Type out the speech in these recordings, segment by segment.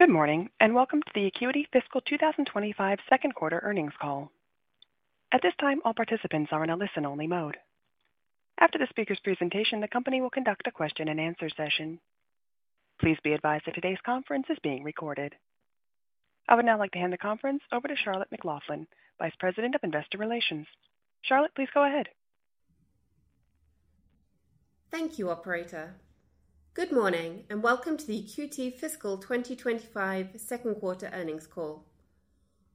Good morning and welcome to the Acuity Fiscal 2025 Second Quarter Earnings Call. At this time, all participants are in a listen-only mode. After the speaker's presentation, the company will conduct a question-and-answer session. Please be advised that today's conference is being recorded. I would now like to hand the conference over to Charlotte McLaughlin, Vice President of Investor Relations. Charlotte, please go ahead. Thank you, Operator. Good morning and welcome to the Acuity Fiscal 2025 second quarter earnings call.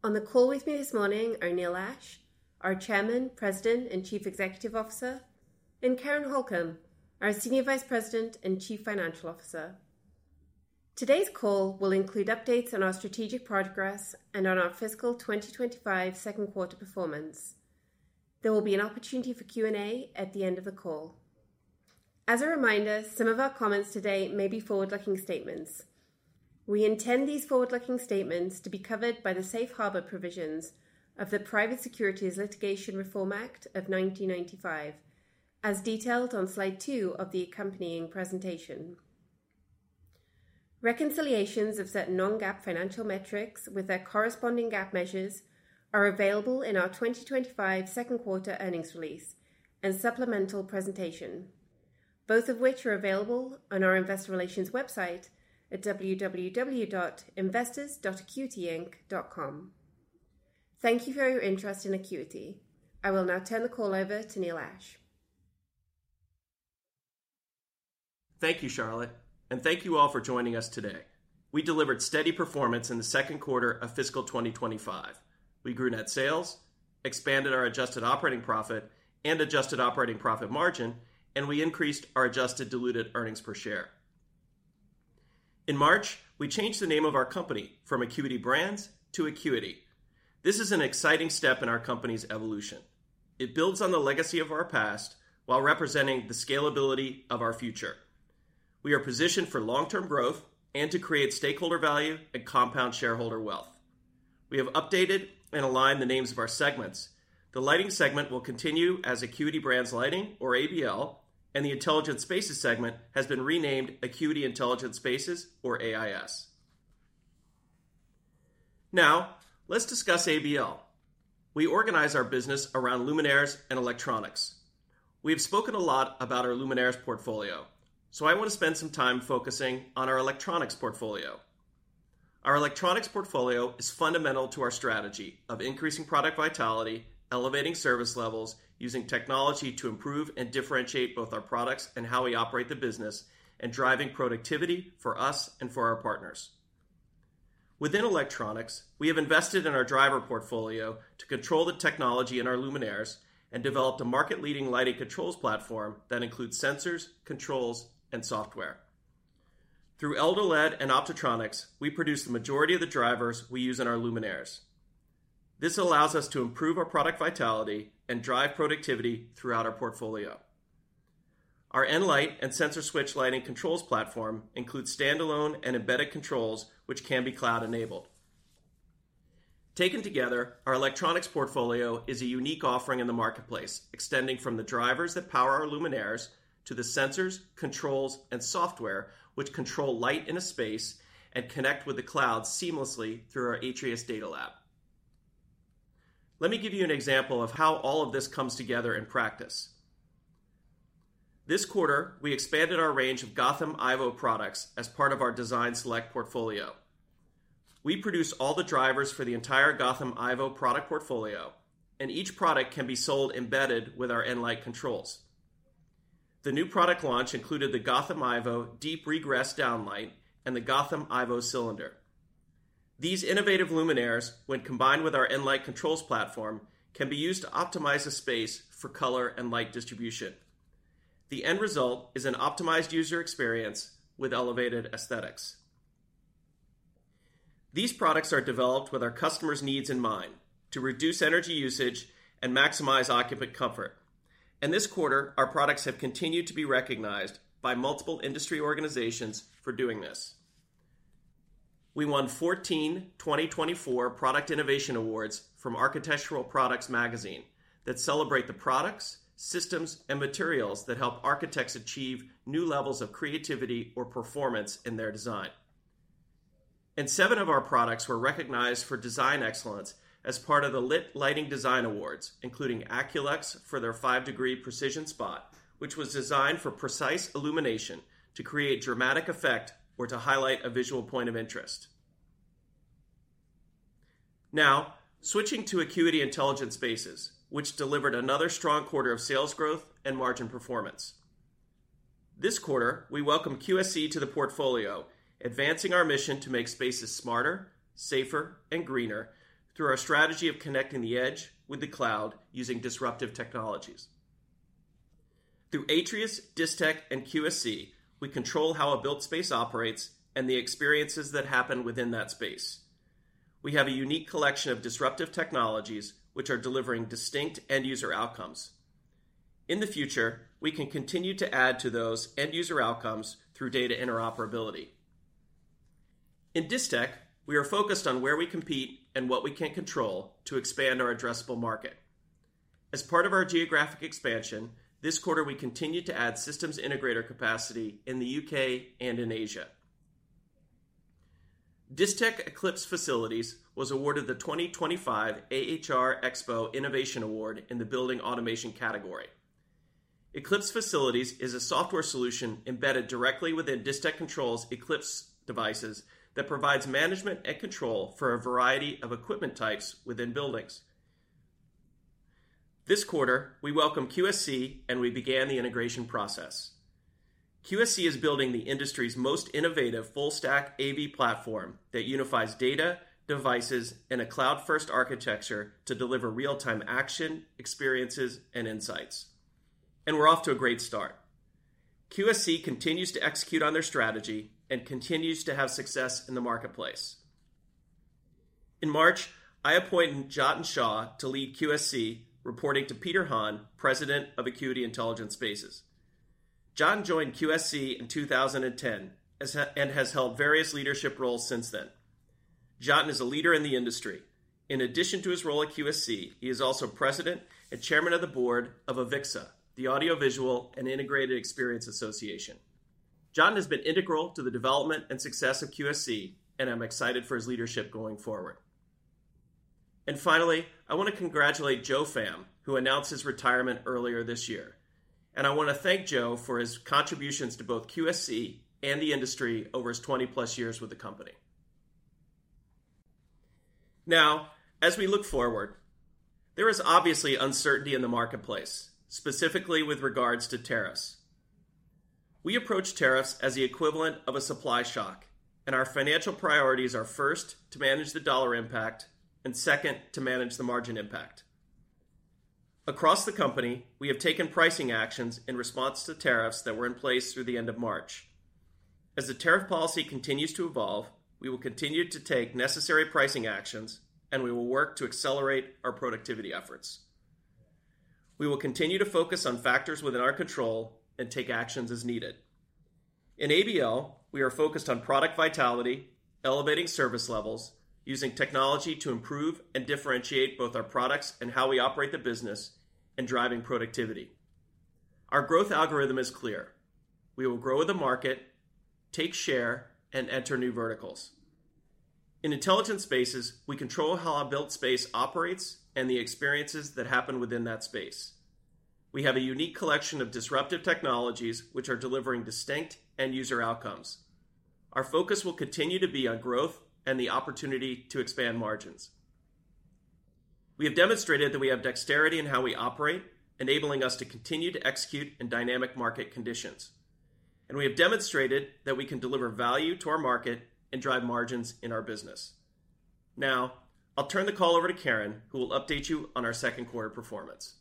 On the call with me this morning are Neil Ashe, our Chairman, President, and Chief Executive Officer, and Karen Holcomb, our Senior Vice President and Chief Financial Officer. Today's call will include updates on our strategic progress and on our fiscal 2025 second quarter performance. There will be an opportunity for Q&A at the end of the call. As a reminder, some of our comments today may be forward-looking statements. We intend these forward-looking statements to be covered by the safe harbor provisions of the Private Securities Litigation Reform Act of 1995, as detailed on slide two of the accompanying presentation. Reconciliations of certain non-GAAP financial metrics with their corresponding GAAP measures are available in our 2025 second quarter earnings release and supplemental presentation, both of which are available on our Investor Relations website at www.investors.acuityinc.com. Thank you for your interest in Acuity. I will now turn the call over to Neil Ashe. Thank you, Charlotte, and thank you all for joining us today. We delivered steady performance in the second quarter of fiscal 2025. We grew net sales, expanded our adjusted operating profit and adjusted operating profit margin, and we increased our adjusted diluted earnings per share. In March, we changed the name of our company from Acuity Brands to Acuity. This is an exciting step in our company's evolution. It builds on the legacy of our past while representing the scalability of our future. We are positioned for long-term growth and to create stakeholder value and compound shareholder wealth. We have updated and aligned the names of our segments. The lighting segment will continue as Acuity Brands Lighting, or ABL, and the intelligent spaces segment has been renamed Acuity Intelligent Spaces, or AIS. Now, let's discuss ABL. We organize our business around luminaires and electronics. We have spoken a lot about our luminaires portfolio, so I want to spend some time focusing on our electronics portfolio. Our electronics portfolio is fundamental to our strategy of increasing product vitality, elevating service levels, using technology to improve and differentiate both our products and how we operate the business, and driving productivity for us and for our partners. Within electronics, we have invested in our driver portfolio to control the technology in our luminaires and developed a market-leading lighting controls platform that includes sensors, controls, and software. Through eldoLED and OPTOTRONICS, we produce the majority of the drivers we use in our luminaires. This allows us to improve our product vitality and drive productivity throughout our portfolio. Our nLight and SensorSwitch lighting controls platform include standalone and embedded controls, which can be cloud-enabled. Taken together, our electronics portfolio is a unique offering in the marketplace, extending from the drivers that power our luminaires to the sensors, controls, and software, which control light in a space and connect with the cloud seamlessly through our Atrius Data Lab. Let me give you an example of how all of this comes together in practice. This quarter, we expanded our range of Gotham IVO products as part of our Design Select portfolio. We produce all the drivers for the entire Gotham IVO product portfolio, and each product can be sold embedded with our nLight controls. The new product launch included the Gotham IVO Deep Regress Downlight and the Gotham IVO Cylinder. These innovative luminaires, when combined with our nLight controls platform, can be used to optimize the space for color and light distribution. The end result is an optimized user experience with elevated aesthetics. These products are developed with our customers' needs in mind to reduce energy usage and maximize occupant comfort. In this quarter, our products have continued to be recognized by multiple industry organizations for doing this. We won 14 2024 Product Innovation Awards from Architectural Products Magazine that celebrate the products, systems, and materials that help architects achieve new levels of creativity or performance in their design. Seven of our products were recognized for design excellence as part of the LIT Lighting Design Awards, including AccuLux for their five-degree precision spot, which was designed for precise illumination to create dramatic effect or to highlight a visual point of interest. Now, switching to Acuity Intelligent Spaces, which delivered another strong quarter of sales growth and margin performance. This quarter, we welcome QSC to the portfolio, advancing our mission to make spaces smarter, safer, and greener through our strategy of connecting the edge with the cloud using disruptive technologies. Through Atrius, Distech, and QSC, we control how a built space operates and the experiences that happen within that space. We have a unique collection of disruptive technologies, which are delivering distinct end-user outcomes. In the future, we can continue to add to those end-user outcomes through data interoperability. In Distech, we are focused on where we compete and what we can control to expand our addressable market. As part of our geographic expansion, this quarter, we continue to add systems integrator capacity in the U.K. and in Asia. Distech ECLYPSE Facilities was awarded the 2025 AHR Expo Innovation Award in the Building Automation category. ECLYPSE Facilities is a software solution embedded directly within Distech ECLYPSE devices that provides management and control for a variety of equipment types within buildings. This quarter, we welcome QSC, and we began the integration process. QSC is building the industry's most innovative full-stack AV platform that unifies data, devices, and a cloud-first architecture to deliver real-time action, experiences, and insights. We are off to a great start. QSC continues to execute on their strategy and continues to have success in the marketplace. In March, I appointed Jatan Shaw to lead QSC, reporting to Peter Han, President of Acuity Intelligent Spaces. Jatan joined QSC in 2010 and has held various leadership roles since then. Jatan is a leader in the industry. In addition to his role at QSC, he is also President and Chairman of the Board of AVIXA, the Audiovisual and Integrated Experience Association. Jatan has been integral to the development and success of QSC, and I am excited for his leadership going forward. Finally, I want to congratulate Joe Pham, who announced his retirement earlier this year. I want to thank Joe for his contributions to both QSC and the industry over his 20+ years with the company. Now, as we look forward, there is obviously uncertainty in the marketplace, specifically with regards to tariffs. We approach tariffs as the equivalent of a supply shock, and our financial priorities are first to manage the dollar impact and second to manage the margin impact. Across the company, we have taken pricing actions in response to tariffs that were in place through the end of March. As the tariff policy continues to evolve, we will continue to take necessary pricing actions, and we will work to accelerate our productivity efforts. We will continue to focus on factors within our control and take actions as needed. In ABL, we are focused on product vitality, elevating service levels, using technology to improve and differentiate both our products and how we operate the business, and driving productivity. Our growth algorithm is clear. We will grow with the market, take share, and enter new verticals. In Intelligent Spaces, we control how a built space operates and the experiences that happen within that space. We have a unique collection of disruptive technologies, which are delivering distinct end-user outcomes. Our focus will continue to be on growth and the opportunity to expand margins. We have demonstrated that we have dexterity in how we operate, enabling us to continue to execute in dynamic market conditions. We have demonstrated that we can deliver value to our market and drive margins in our business. Now, I'll turn the call over to Karen, who will update you on our second quarter performance.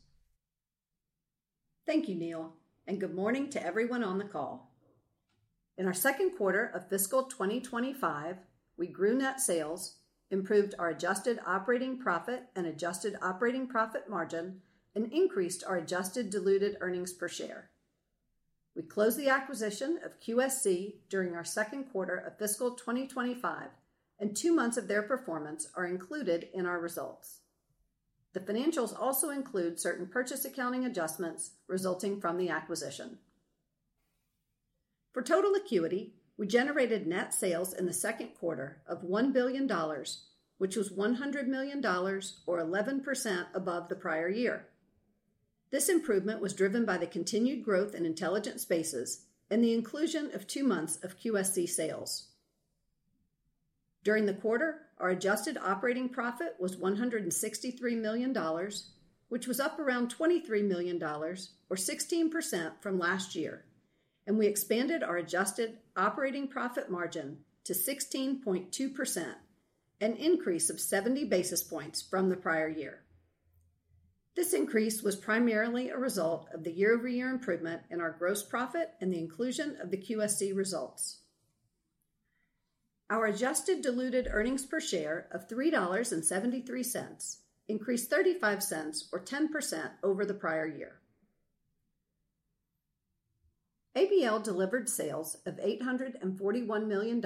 Thank you, Neil, and good morning to everyone on the call. In our second quarter of fiscal 2025, we grew net sales, improved our adjusted operating profit and adjusted operating profit margin, and increased our adjusted diluted earnings per share. We closed the acquisition of QSC during our second quarter of fiscal 2025, and two months of their performance are included in our results. The financials also include certain purchase accounting adjustments resulting from the acquisition. For total Acuity, we generated net sales in the second quarter of $1 billion, which was $100 million, or 11% above the prior year. This improvement was driven by the continued growth in Intelligent Spaces and the inclusion of two months of QSC sales. During the quarter, our adjusted operating profit was $163 million, which was up around $23 million, or 16% from last year. We expanded our adjusted operating profit margin to 16.2%, an increase of 70 basis points from the prior year. This increase was primarily a result of the year-over-year improvement in our gross profit and the inclusion of the QSC results. Our adjusted diluted earnings per share of $3.73 increased $0.35, or 10%, over the prior year. ABL delivered sales of $841 million,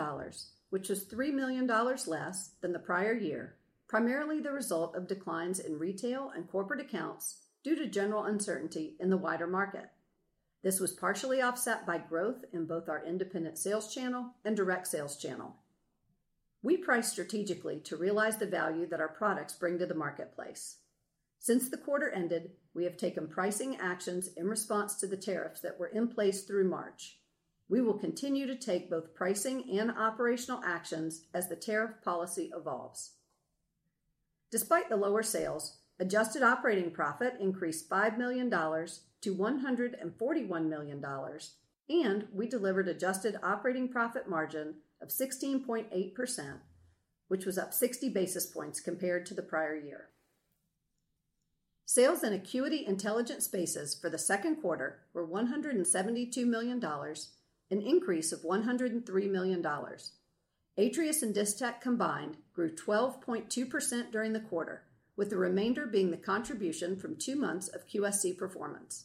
which was $3 million less than the prior year, primarily the result of declines in retail and corporate accounts due to general uncertainty in the wider market. This was partially offset by growth in both our independent sales channel and direct sales channel. We priced strategically to realize the value that our products bring to the marketplace. Since the quarter ended, we have taken pricing actions in response to the tariffs that were in place through March. We will continue to take both pricing and operational actions as the tariff policy evolves. Despite the lower sales, adjusted operating profit increased $5 million to $141 million, and we delivered adjusted operating profit margin of 16.8%, which was up 60 basis points compared to the prior year. Sales in Acuity Intelligent Spaces for the second quarter were $172 million, an increase of $103 million. Atrius and Distech combined grew 12.2% during the quarter, with the remainder being the contribution from two months of QSC performance.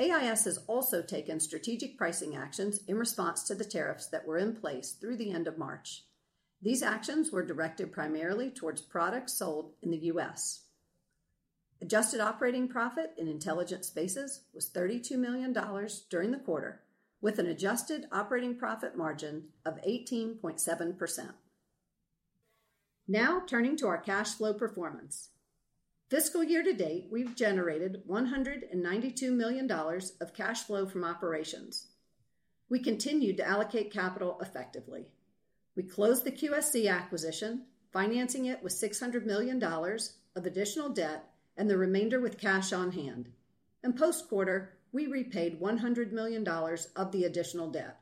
AIS has also taken strategic pricing actions in response to the tariffs that were in place through the end of March. These actions were directed primarily towards products sold in the U.S. Adjusted operating profit in Intelligent Spaces was $32 million during the quarter, with an adjusted operating profit margin of 18.7%. Now, turning to our cash flow performance. Fiscal year to date, we've generated $192 million of cash flow from operations. We continue to allocate capital effectively. We closed the QSC acquisition, financing it with $600 million of additional debt and the remainder with cash on hand. In post-quarter, we repaid $100 million of the additional debt.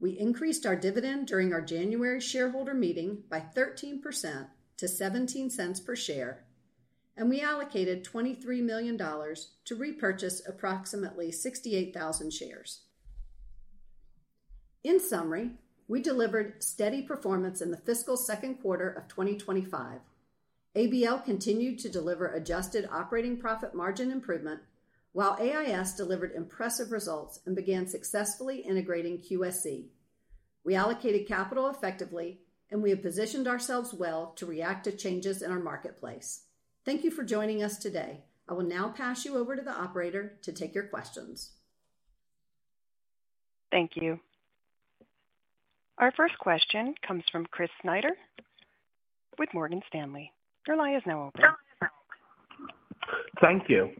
We increased our dividend during our January shareholder meeting by 13% to $0.17 per share, and we allocated $23 million to repurchase approximately 68,000 shares. In summary, we delivered steady performance in the fiscal second quarter of 2025. ABL continued to deliver adjusted operating profit margin improvement, while AIS delivered impressive results and began successfully integrating QSC. We allocated capital effectively, and we have positioned ourselves well to react to changes in our marketplace. Thank you for joining us today. I will now pass you over to the operator to take your questions. Thank you. Our first question comes from Chris Snyder with Morgan Stanley. Your line is now open. Thank you.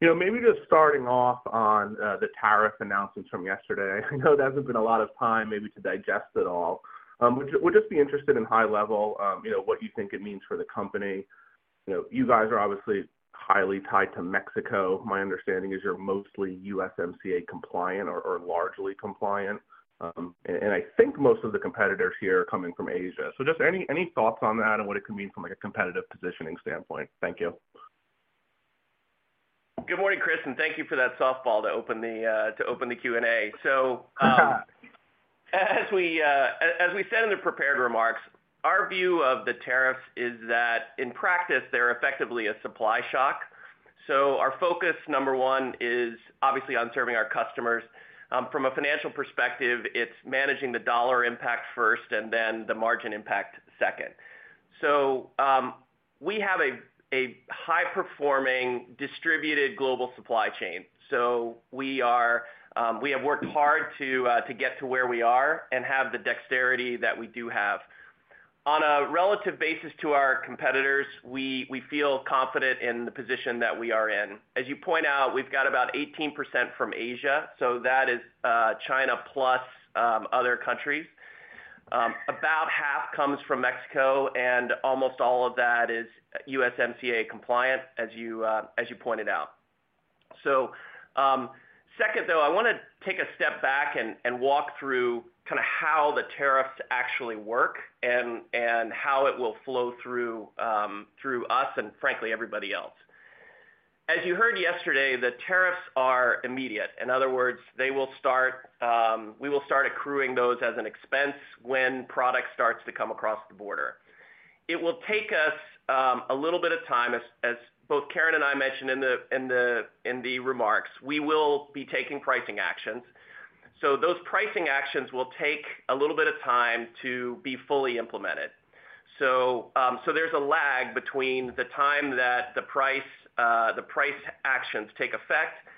Maybe just starting off on the tariff announcements from yesterday. I know there has not been a lot of time maybe to digest it all. We will just be interested in high-level what you think it means for the company. You guys are obviously highly tied to Mexico. My understanding is you are mostly USMCA compliant or largely compliant. I think most of the competitors here are coming from Asia. Just any thoughts on that and what it could mean from a competitive positioning standpoint? Thank you. Good morning, Chris, and thank you for that softball to open the Q&A. As we said in the prepared remarks, our view of the tariffs is that in practice, they're effectively a supply shock. Our focus, number one, is obviously on serving our customers. From a financial perspective, it's managing the dollar impact first and then the margin impact second. We have a high-performing distributed global supply chain. We have worked hard to get to where we are and have the dexterity that we do have. On a relative basis to our competitors, we feel confident in the position that we are in. As you point out, we've got about 18% from Asia. That is China plus other countries. About half comes from Mexico, and almost all of that is USMCA compliant, as you pointed out. Second, though, I want to take a step back and walk through kind of how the tariffs actually work and how it will flow through us and, frankly, everybody else. As you heard yesterday, the tariffs are immediate. In other words, we will start accruing those as an expense when product starts to come across the border. It will take us a little bit of time, as both Karen and I mentioned in the remarks. We will be taking pricing actions. Those pricing actions will take a little bit of time to be fully implemented. There is a lag between the time that the price actions take effect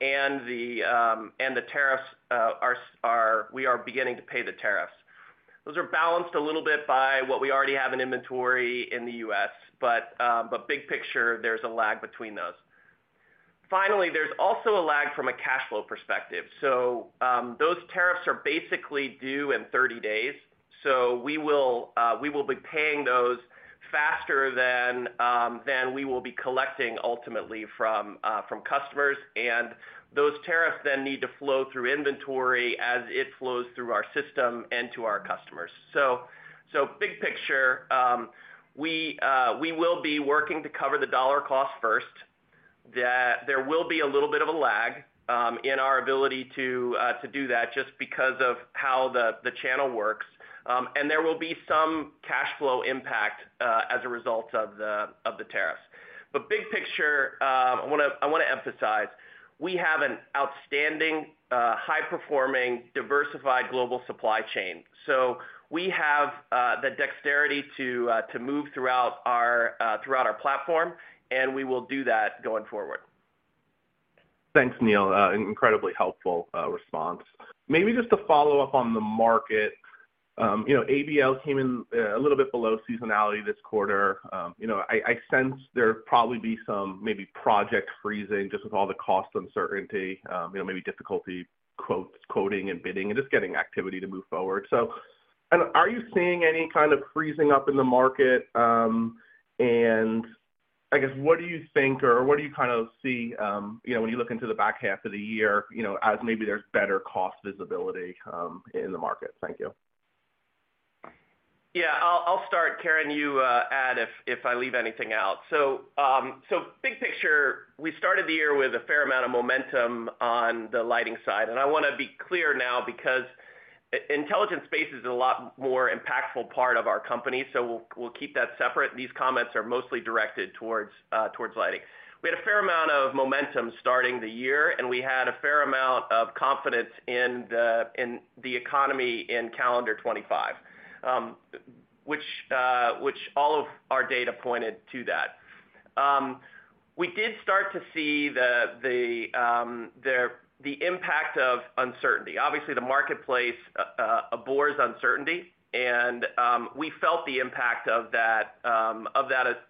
and the tariffs. We are beginning to pay the tariffs. Those are balanced a little bit by what we already have in inventory in the U.S., but big picture, there is a lag between those. Finally, there's also a lag from a cash flow perspective. Those tariffs are basically due in 30 days. We will be paying those faster than we will be collecting ultimately from customers. Those tariffs then need to flow through inventory as it flows through our system and to our customers. Big picture, we will be working to cover the dollar cost first. There will be a little bit of a lag in our ability to do that just because of how the channel works. There will be some cash flow impact as a result of the tariffs. Big picture, I want to emphasize, we have an outstanding, high-performing, diversified global supply chain. We have the dexterity to move throughout our platform, and we will do that going forward. Thanks, Neil. Incredibly helpful response. Maybe just to follow up on the market, ABL came in a little bit below seasonality this quarter. I sense there'll probably be some maybe project freezing just with all the cost uncertainty, maybe difficulty quoting and bidding, and just getting activity to move forward. Are you seeing any kind of freezing up in the market? I guess, what do you think, or what do you kind of see when you look into the back half of the year as maybe there's better cost visibility in the market? Thank you. Yeah, I'll start. Karen, you add if I leave anything out. Big picture, we started the year with a fair amount of momentum on the lighting side. I want to be clear now because Intelligent Spaces is a lot more impactful part of our company. We will keep that separate. These comments are mostly directed towards lighting. We had a fair amount of momentum starting the year, and we had a fair amount of confidence in the economy in calendar 2025, which all of our data pointed to that. We did start to see the impact of uncertainty. Obviously, the marketplace abhors uncertainty, and we felt the impact of that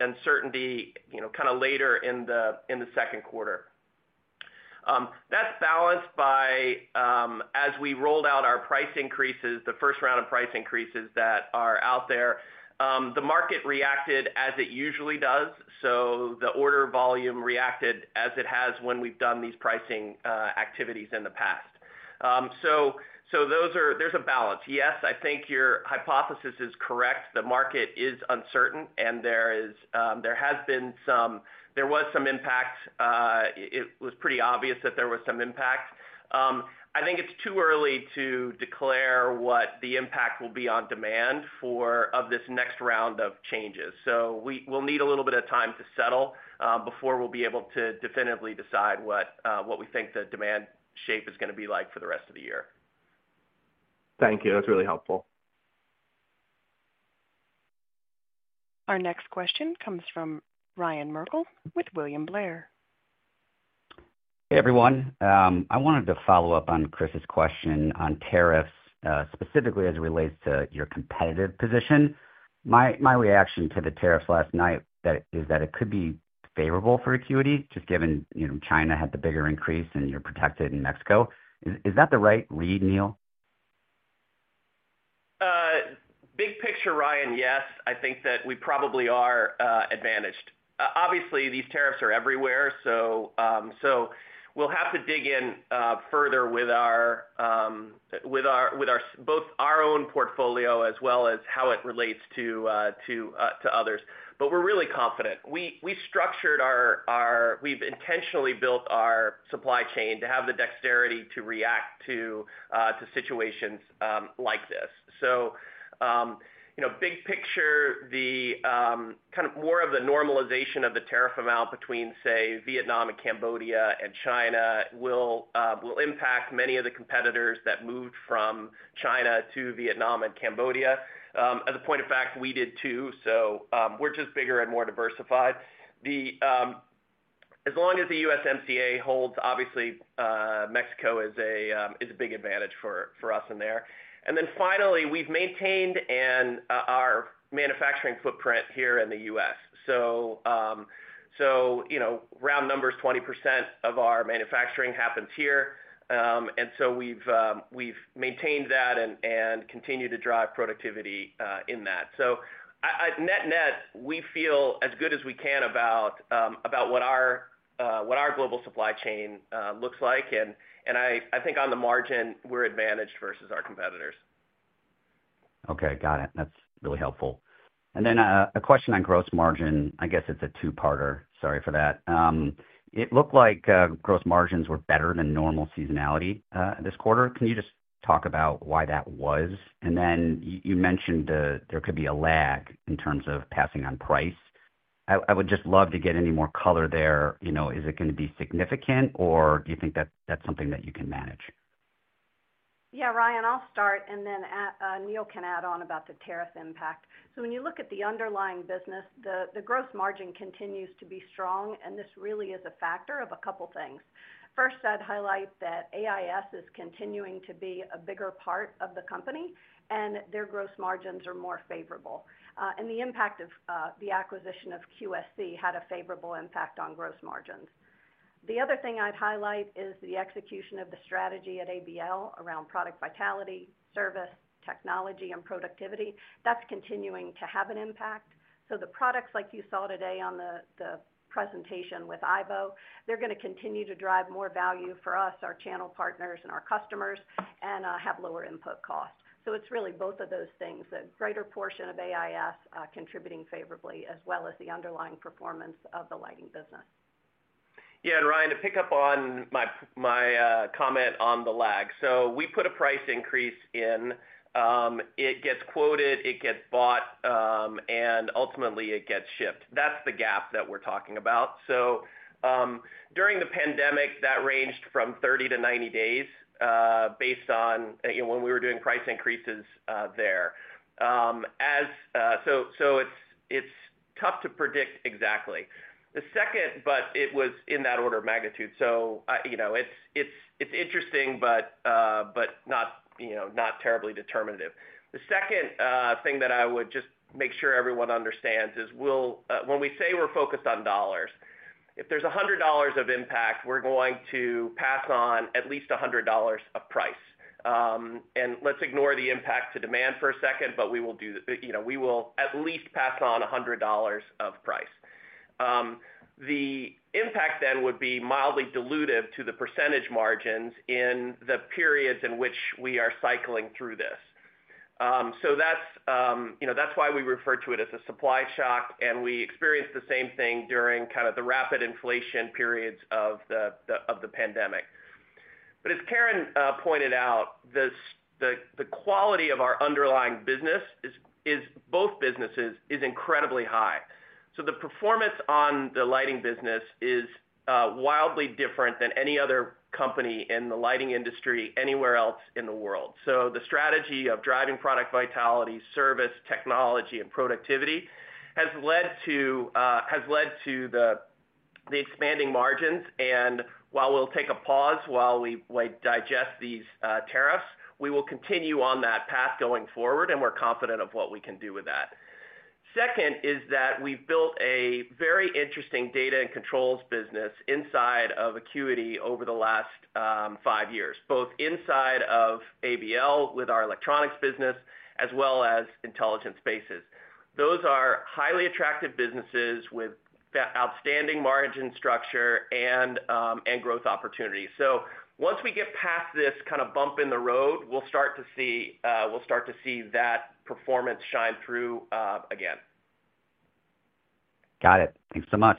uncertainty kind of later in the second quarter. That is balanced by, as we rolled out our price increases, the first round of price increases that are out there, the market reacted as it usually does. The order volume reacted as it has when we've done these pricing activities in the past. There is a balance. Yes, I think your hypothesis is correct. The market is uncertain, and there has been some impact. It was pretty obvious that there was some impact. I think it's too early to declare what the impact will be on demand for this next round of changes. We will need a little bit of time to settle before we will be able to definitively decide what we think the demand shape is going to be like for the rest of the year. Thank you. That's really helpful. Our next question comes from Ryan Merkel with William Blair. Hey, everyone. I wanted to follow up on Chris's question on tariffs, specifically as it relates to your competitive position. My reaction to the tariffs last night is that it could be favorable for Acuity, just given China had the bigger increase and you're protected in Mexico. Is that the right read, Neil? Big picture, Ryan, yes. I think that we probably are advantaged. Obviously, these tariffs are everywhere. We will have to dig in further with both our own portfolio as well as how it relates to others. We are really confident. We have intentionally built our supply chain to have the dexterity to react to situations like this. Big picture, kind of more of the normalization of the tariff amount between, say, Vietnam and Cambodia and China will impact many of the competitors that moved from China to Vietnam and Cambodia. As a point of fact, we did too. We are just bigger and more diversified. As long as the USMCA holds, obviously, Mexico is a big advantage for us in there. Finally, we have maintained our manufacturing footprint here in the U.S. Round numbers, 20% of our manufacturing happens here. We have maintained that and continue to drive productivity in that. Net net, we feel as good as we can about what our global supply chain looks like. I think on the margin, we are advantaged versus our competitors. Okay, got it. That's really helpful. A question on gross margin. I guess it's a two-parter. Sorry for that. It looked like gross margins were better than normal seasonality this quarter. Can you just talk about why that was? You mentioned there could be a lag in terms of passing on price. I would just love to get any more color there. Is it going to be significant, or do you think that that's something that you can manage? Yeah, Ryan, I'll start, and then Neil can add on about the tariff impact. When you look at the underlying business, the gross margin continues to be strong, and this really is a factor of a couple of things. First, I'd highlight that AIS is continuing to be a bigger part of the company, and their gross margins are more favorable. The impact of the acquisition of QSC had a favorable impact on gross margins. The other thing I'd highlight is the execution of the strategy at ABL around product vitality, service, technology, and productivity. That's continuing to have an impact. The products like you saw today on the presentation with Ivo, they're going to continue to drive more value for us, our channel partners, and our customers, and have lower input costs. It is really both of those things, a greater portion of AIS contributing favorably, as well as the underlying performance of the lighting business. Yeah, and Ryan, to pick up on my comment on the lag. We put a price increase in. It gets quoted, it gets bought, and ultimately, it gets shipped. That is the gap that we are talking about. During the pandemic, that ranged from 30-90 days based on when we were doing price increases there. It is tough to predict exactly the second, but it was in that order of magnitude. It is interesting, but not terribly determinative. The second thing that I would just make sure everyone understands is when we say we are focused on dollars, if there is $100 of impact, we are going to pass on at least $100 of price. Let us ignore the impact to demand for a second, but we will at least pass on $100 of price. The impact then would be mildly dilutive to the % margins in the periods in which we are cycling through this. That is why we refer to it as a supply shock, and we experienced the same thing during kind of the rapid inflation periods of the pandemic. As Karen pointed out, the quality of our underlying business, both businesses, is incredibly high. The performance on the lighting business is wildly different than any other company in the lighting industry anywhere else in the world. The strategy of driving product vitality, service, technology, and productivity has led to the expanding margins. While we will take a pause while we digest these tariffs, we will continue on that path going forward, and we are confident of what we can do with that. Second is that we've built a very interesting data and controls business inside of Acuity over the last five years, both inside of ABL with our electronics business as well as Intelligent Spaces. Those are highly attractive businesses with outstanding margin structure and growth opportunity. Once we get past this kind of bump in the road, we'll start to see that performance shine through again. Got it. Thanks so much.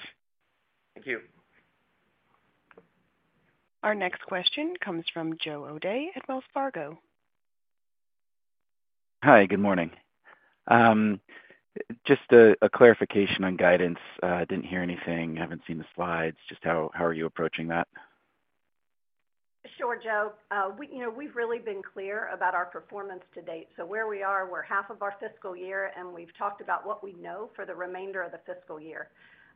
Thank you. Our next question comes from Joe O'Dea at Wells Fargo. Hi, good morning. Just a clarification on guidance. I did not hear anything. I have not seen the slides. Just how are you approaching that? Sure, Joe. We've really been clear about our performance to date. Where we are, we're half of our fiscal year, and we've talked about what we know for the remainder of the fiscal year.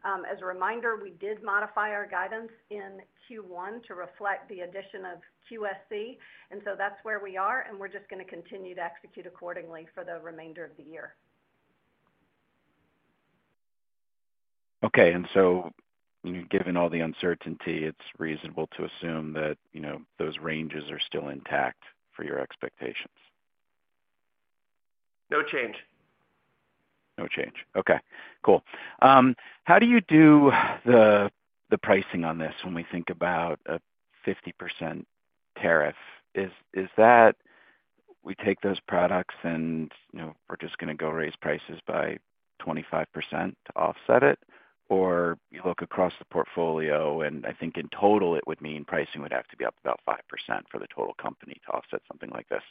As a reminder, we did modify our guidance in Q1 to reflect the addition of QSC. That's where we are, and we're just going to continue to execute accordingly for the remainder of the year. Okay. Given all the uncertainty, it's reasonable to assume that those ranges are still intact for your expectations. No change. No change. Okay. Cool. How do you do the pricing on this when we think about a 50% tariff? Is that we take those products and we're just going to go raise prices by 25% to offset it, or you look across the portfolio, and I think in total, it would mean pricing would have to be up about 5% for the total company to offset something like this?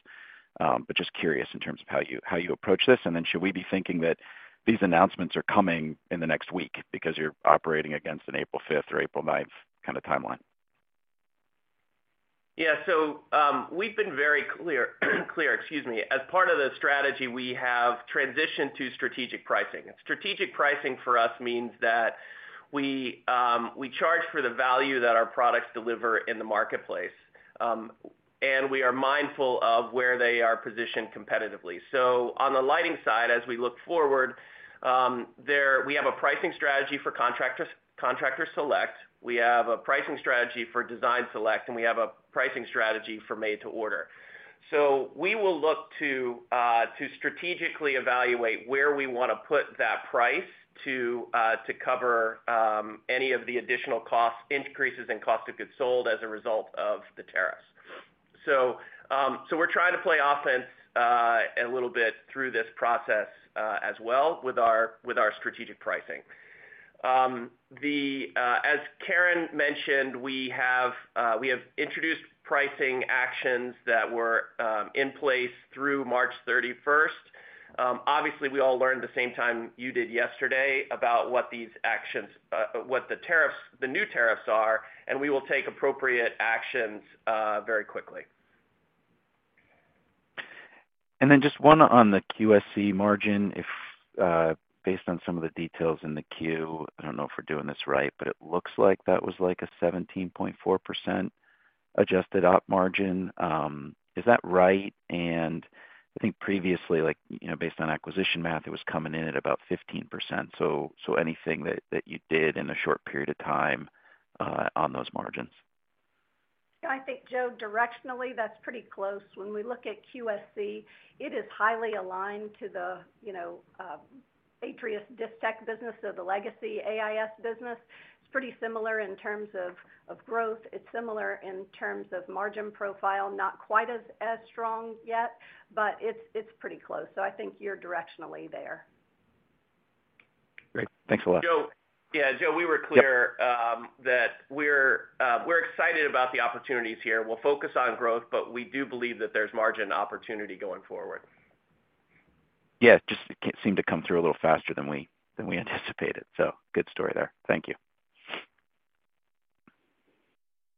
Just curious in terms of how you approach this. Should we be thinking that these announcements are coming in the next week because you're operating against an April 5th or April 9th kind of timeline? Yeah. We have been very clear, excuse me, as part of the strategy, we have transitioned to strategic pricing. Strategic pricing for us means that we charge for the value that our products deliver in the marketplace, and we are mindful of where they are positioned competitively. On the lighting side, as we look forward, we have a pricing strategy for Contractor Select. We have a pricing strategy for Design Select, and we have a pricing strategy for Made to Order. We will look to strategically evaluate where we want to put that price to cover any of the additional cost increases in cost of goods sold as a result of the tariffs. We are trying to play offense a little bit through this process as well with our strategic pricing. As Karen mentioned, we have introduced pricing actions that were in place through March 31. Obviously, we all learned at the same time you did yesterday about what the tariffs, the new tariffs are, and we will take appropriate actions very quickly. Just one on the QSC margin, based on some of the details in the queue, I don't know if we're doing this right, but it looks like that was like a 17.4% adjusted op margin. Is that right? I think previously, based on acquisition math, it was coming in at about 15%. So anything that you did in a short period of time on those margins? Yeah, I think, Joe, directionally, that's pretty close. When we look at QSC, it is highly aligned to the Atrius Distech business, so the legacy AIS business. It's pretty similar in terms of growth. It's similar in terms of margin profile, not quite as strong yet, but it's pretty close. I think you're directionally there. Great. Thanks a lot. Yeah, Joe, we were clear that we're excited about the opportunities here. We'll focus on growth, but we do believe that there's margin opportunity going forward. Yeah, just seemed to come through a little faster than we anticipated. Good story there. Thank you.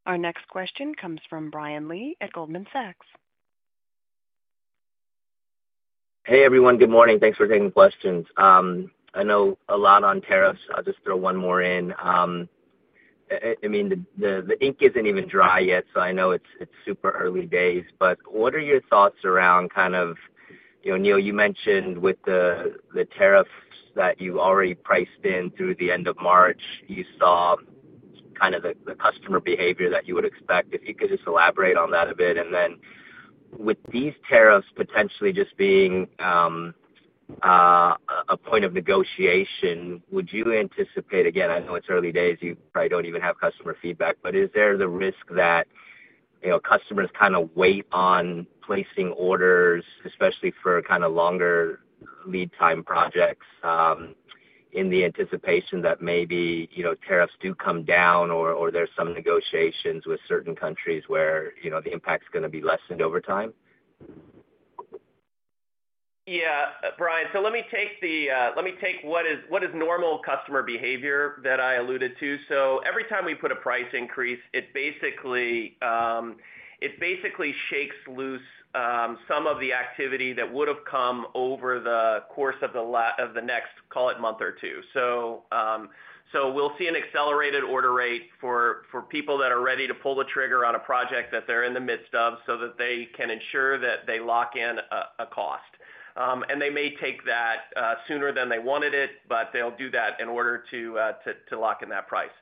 Our next question comes from Brian Lee at Goldman Sachs. Hey, everyone. Good morning. Thanks for taking the questions. I know a lot on tariffs. I'll just throw one more in. I mean, the ink isn't even dry yet, so I know it's super early days. What are your thoughts around kind of, Neil, you mentioned with the tariffs that you already priced in through the end of March, you saw kind of the customer behavior that you would expect. If you could just elaborate on that a bit. With these tariffs potentially just being a point of negotiation, would you anticipate, again, I know it's early days, you probably don't even have customer feedback, but is there the risk that customers kind of wait on placing orders, especially for kind of longer lead time projects, in the anticipation that maybe tariffs do come down or there's some negotiations with certain countries where the impact's going to be lessened over time? Yeah, Brian. Let me take what is normal customer behavior that I alluded to. Every time we put a price increase, it basically shakes loose some of the activity that would have come over the course of the next, call it, month or two. We will see an accelerated order rate for people that are ready to pull the trigger on a project that they are in the midst of so that they can ensure that they lock in a cost. They may take that sooner than they wanted it, but they will do that in order to lock in that price.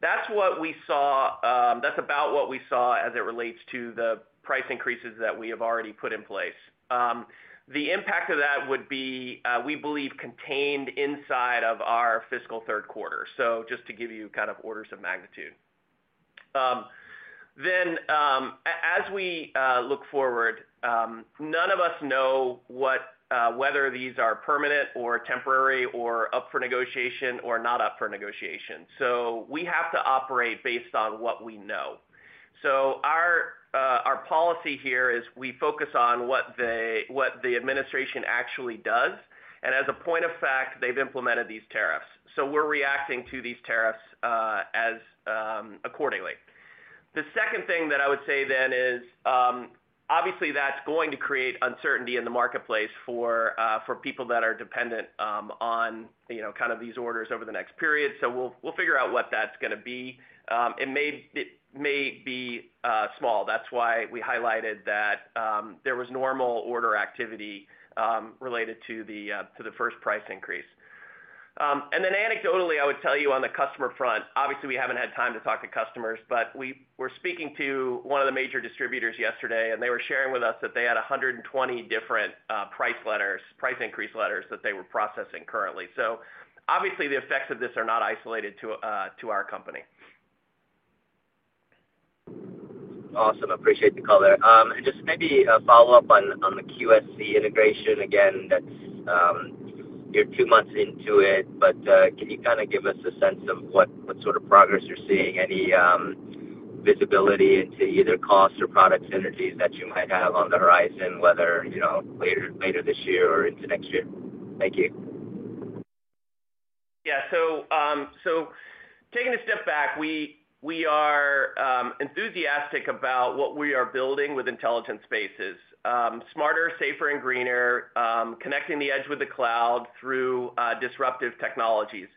That is what we saw. That is about what we saw as it relates to the price increases that we have already put in place. The impact of that would be, we believe, contained inside of our fiscal third quarter. Just to give you kind of orders of magnitude. As we look forward, none of us know whether these are permanent or temporary or up for negotiation or not up for negotiation. We have to operate based on what we know. Our policy here is we focus on what the administration actually does. As a point of fact, they've implemented these tariffs. We're reacting to these tariffs accordingly. The second thing that I would say is, obviously, that's going to create uncertainty in the marketplace for people that are dependent on kind of these orders over the next period. We'll figure out what that's going to be. It may be small. That's why we highlighted that there was normal order activity related to the first price increase. Anecdotally, I would tell you on the customer front, obviously, we have not had time to talk to customers, but we were speaking to one of the major distributors yesterday, and they were sharing with us that they had 120 different price increase letters that they were processing currently. Obviously, the effects of this are not isolated to our company. Awesome. Appreciate the call there. Just maybe a follow-up on the QSC integration. Again, you're two months into it, but can you kind of give us a sense of what sort of progress you're seeing? Any visibility into either cost or product synergies that you might have on the horizon, whether later this year or into next year? Thank you. Yeah. Taking a step back, we are enthusiastic about what we are building with Intelligent Spaces: smarter, safer, and greener, connecting the edge with the cloud through disruptive technologies: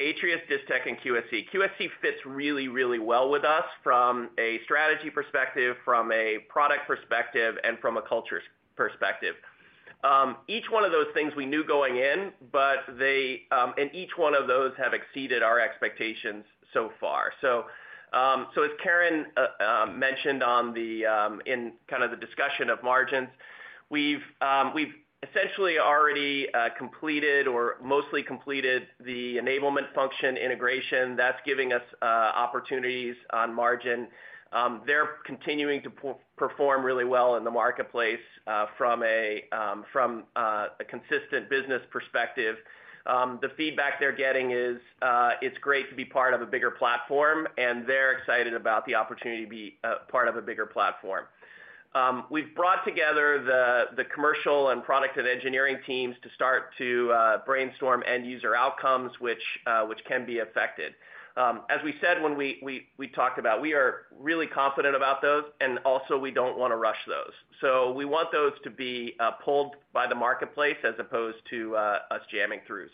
Atrius, Distech, and QSC. QSC fits really, really well with us from a strategy perspective, from a product perspective, and from a culture perspective. Each one of those things we knew going in, but each one of those have exceeded our expectations so far. As Karen mentioned in kind of the discussion of margins, we've essentially already completed or mostly completed the enablement function integration. That's giving us opportunities on margin. They're continuing to perform really well in the marketplace from a consistent business perspective. The feedback they're getting is it's great to be part of a bigger platform, and they're excited about the opportunity to be part of a bigger platform. We've brought together the commercial and product and engineering teams to start to brainstorm end-user outcomes, which can be affected. As we said when we talked about, we are really confident about those, and also, we don't want to rush those. We want those to be pulled by the marketplace as opposed to us jamming through.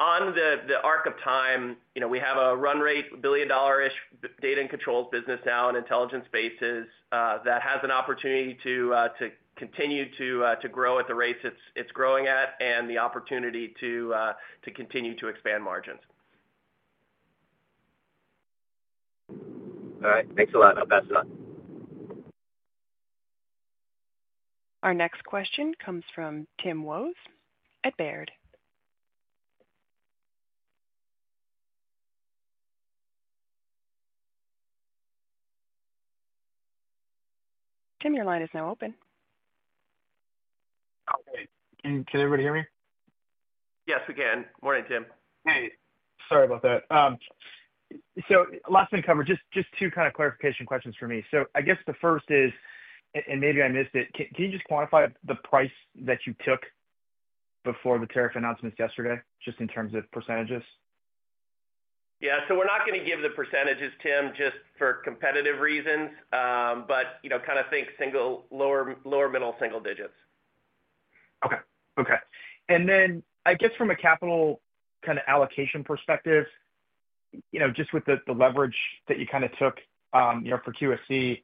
On the arc of time, we have a run rate, billion-dollar-ish data and controls business now in Intelligent Spaces that has an opportunity to continue to grow at the rate it's growing at and the opportunity to continue to expand margins. All right. Thanks a lot. I'll pass it on. Our next question comes from Tim Wojs at Baird. Tim, your line is now open. Okay. Can everybody hear me? Yes, we can. Morning, Tim. Hey. Sorry about that. Last thing to cover, just two kind of clarification questions for me. I guess the first is, and maybe I missed it, can you just quantify the price that you took before the tariff announcements yesterday, just in terms of %? Yeah. We're not going to give the %, Tim, just for competitive reasons, but kind of think lower middle single-digits. Okay. Okay. I guess from a capital kind of allocation perspective, just with the leverage that you kind of took for QSC,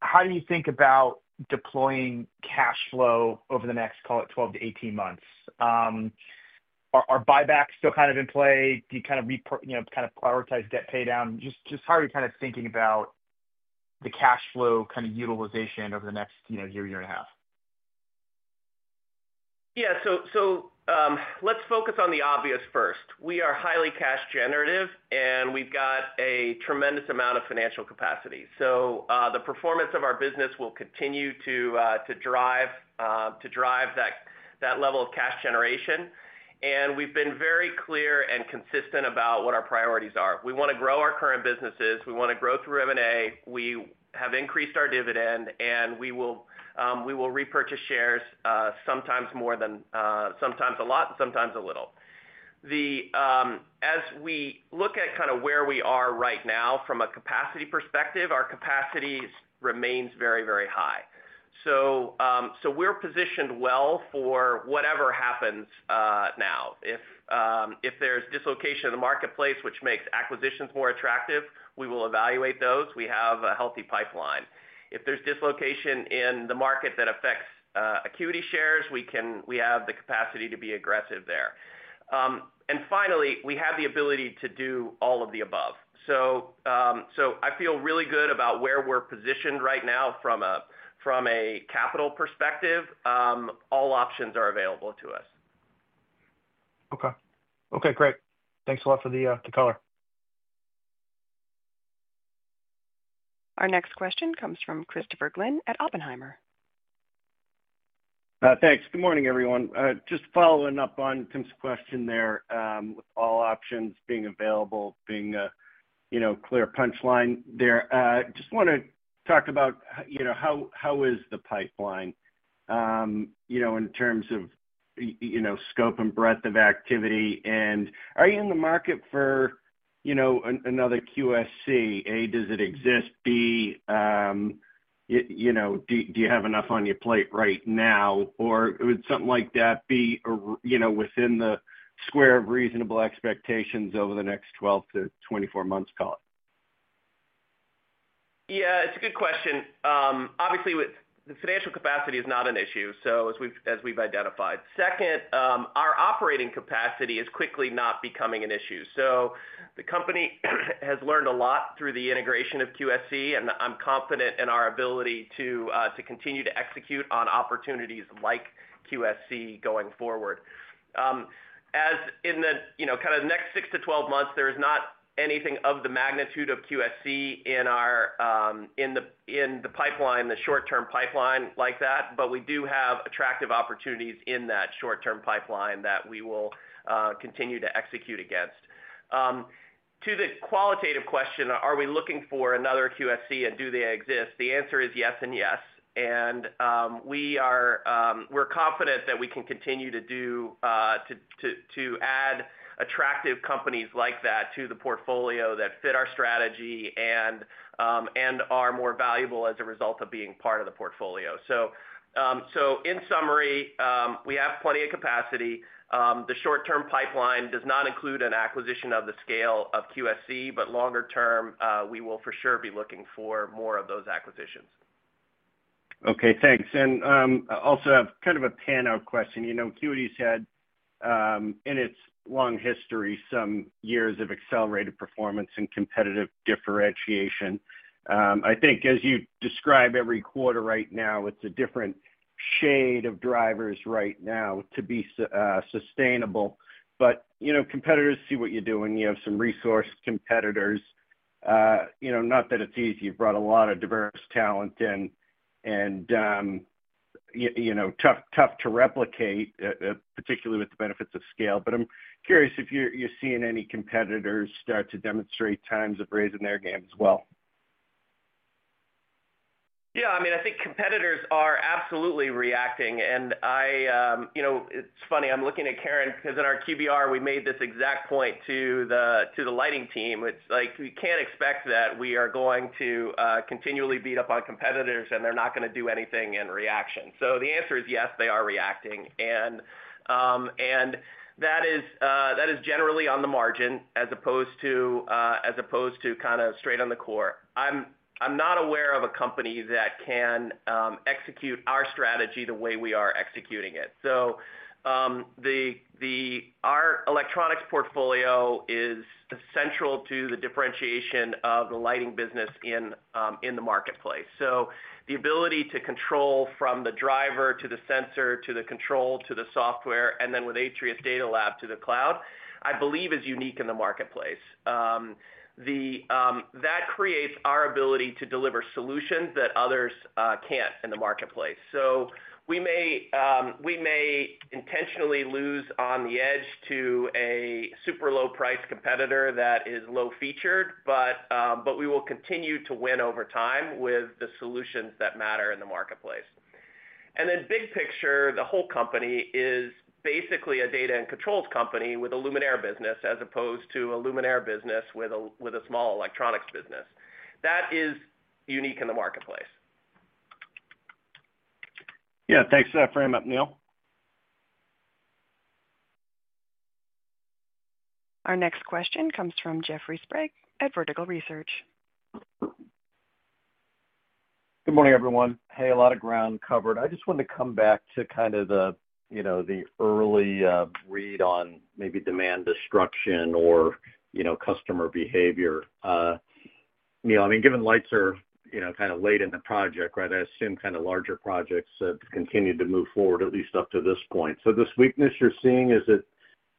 how do you think about deploying cash flow over the next, call it, 12 to 18 months? Are buybacks still kind of in play? Do you kind of prioritize debt pay down? Just how are you kind of thinking about the cash flow kind of utilization over the next year, year and a half? Yeah. Let's focus on the obvious first. We are highly cash generative, and we've got a tremendous amount of financial capacity. The performance of our business will continue to drive that level of cash generation. We've been very clear and consistent about what our priorities are. We want to grow our current businesses. We want to grow through M&A. We have increased our dividend, and we will repurchase shares sometimes more than sometimes a lot and sometimes a little. As we look at kind of where we are right now from a capacity perspective, our capacity remains very, very high. We're positioned well for whatever happens now. If there's dislocation in the marketplace, which makes acquisitions more attractive, we will evaluate those. We have a healthy pipeline. If there's dislocation in the market that affects Acuity shares, we have the capacity to be aggressive there. We have the ability to do all of the above. I feel really good about where we're positioned right now from a capital perspective. All options are available to us. Okay. Okay. Great. Thanks a lot for the color. Our next question comes from Christopher Glynn at Oppenheimer. Thanks. Good morning, everyone. Just following up on Tim's question there with all options being available, being a clear punchline there. Just want to talk about how is the pipeline in terms of scope and breadth of activity? And are you in the market for another QSC? A, does it exist? B, do you have enough on your plate right now? Or would something like that be within the square of reasonable expectations over the next 12 to 24 months, call it? Yeah. It's a good question. Obviously, the financial capacity is not an issue, as we've identified. Second, our operating capacity is quickly not becoming an issue. The company has learned a lot through the integration of QSC, and I'm confident in our ability to continue to execute on opportunities like QSC going forward. In the kind of next 6 to 12 months, there is not anything of the magnitude of QSC in the pipeline, the short-term pipeline like that, but we do have attractive opportunities in that short-term pipeline that we will continue to execute against. To the qualitative question, are we looking for another QSC and do they exist? The answer is yes and yes. We are confident that we can continue to add attractive companies like that to the portfolio that fit our strategy and are more valuable as a result of being part of the portfolio. In summary, we have plenty of capacity. The short-term pipeline does not include an acquisition of the scale of QSC, but longer term, we will for sure be looking for more of those acquisitions. Okay. Thanks. I also have kind of a panel question. Acuity's had, in its long history, some years of accelerated performance and competitive differentiation. I think as you describe every quarter right now, it's a different shade of drivers right now to be sustainable. Competitors see what you're doing. You have some resource competitors. Not that it's easy. You've brought a lot of diverse talent in and tough to replicate, particularly with the benefits of scale. I'm curious if you're seeing any competitors start to demonstrate times of raising their game as well. Yeah. I mean, I think competitors are absolutely reacting. It's funny. I'm looking at Karen because in our QBR, we made this exact point to the lighting team. It's like we can't expect that we are going to continually beat up on competitors, and they're not going to do anything in reaction. The answer is yes, they are reacting. That is generally on the margin as opposed to kind of straight on the core. I'm not aware of a company that can execute our strategy the way we are executing it. Our electronics portfolio is central to the differentiation of the lighting business in the marketplace. The ability to control from the driver to the sensor to the control to the software and then with Atrius Data Lab to the cloud, I believe, is unique in the marketplace. That creates our ability to deliver solutions that others can't in the marketplace. We may intentionally lose on the edge to a super low-priced competitor that is low-featured, but we will continue to win over time with the solutions that matter in the marketplace. Big picture, the whole company is basically a data and controls company with a luminaire business as opposed to a luminaire business with a small electronics business. That is unique in the marketplace. Yeah. Thanks for that framing up, Neil. Our next question comes from Jeffrey Sprague at Vertical Research. Good morning, everyone. Hey, a lot of ground covered. I just wanted to come back to kind of the early read on maybe demand destruction or customer behavior. I mean, given lights are kind of late in the project, right, I assume kind of larger projects have continued to move forward at least up to this point. This weakness you're seeing, is it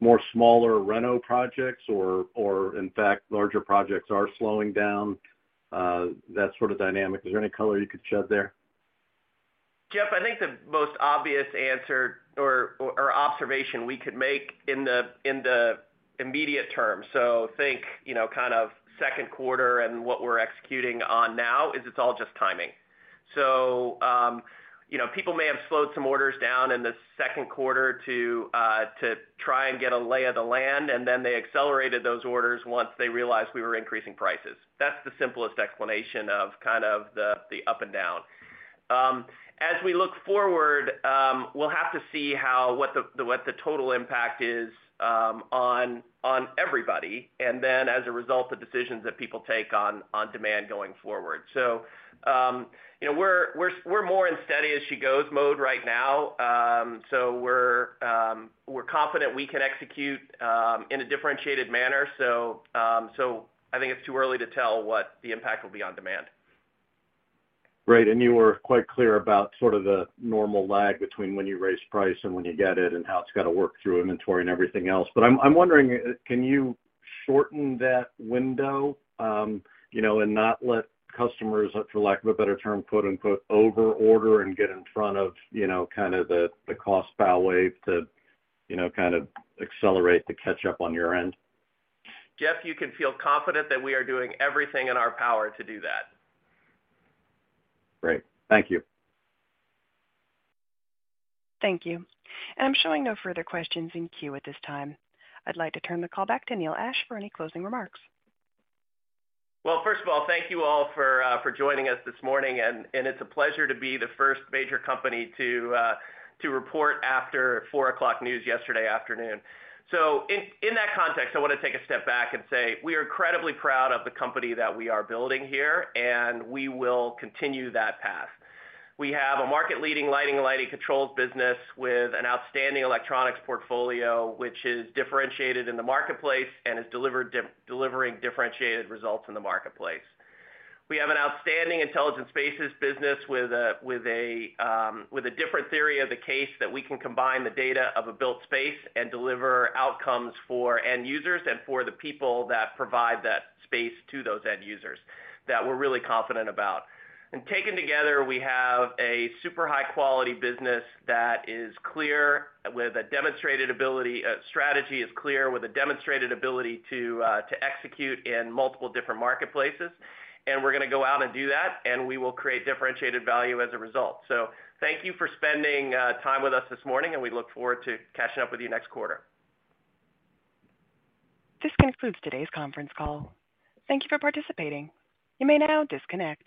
more smaller reno projects or, in fact, larger projects are slowing down? That sort of dynamic. Is there any color you could shed there? Jeff, I think the most obvious answer or observation we could make in the immediate term, so think kind of second quarter and what we're executing on now, is it's all just timing. People may have slowed some orders down in the second quarter to try and get a lay of the land, and then they accelerated those orders once they realized we were increasing prices. That's the simplest explanation of kind of the up and down. As we look forward, we'll have to see what the total impact is on everybody and then, as a result, the decisions that people take on demand going forward. We're more in steady-as-she-goes mode right now. We're confident we can execute in a differentiated manner. I think it's too early to tell what the impact will be on demand. Great. You were quite clear about sort of the normal lag between when you raise price and when you get it and how it's got to work through inventory and everything else. I'm wondering, can you shorten that window and not let customers, for lack of a better term, "over-order" and get in front of kind of the cost foul wave to kind of accelerate the catch-up on your end? Jeff, you can feel confident that we are doing everything in our power to do that. Great. Thank you. Thank you. I'm showing no further questions in queue at this time. I'd like to turn the call back to Neil Ashe for any closing remarks. Thank you all for joining us this morning. It is a pleasure to be the first major company to report after 4 o'clock news yesterday afternoon. In that context, I want to take a step back and say we are incredibly proud of the company that we are building here, and we will continue that path. We have a market-leading lighting and lighting controls business with an outstanding electronics portfolio, which is differentiated in the marketplace and is delivering differentiated results in the marketplace. We have an outstanding intelligent spaces business with a different theory of the case that we can combine the data of a built space and deliver outcomes for end users and for the people that provide that space to those end users that we are really confident about. Taken together, we have a super high-quality business that is clear with a demonstrated ability, strategy is clear with a demonstrated ability to execute in multiple different marketplaces. We are going to go out and do that, and we will create differentiated value as a result. Thank you for spending time with us this morning, and we look forward to catching up with you next quarter. This concludes today's conference call. Thank you for participating. You may now disconnect.